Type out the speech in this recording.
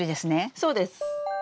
そうです。